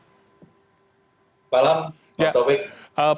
selamat malam pak sofi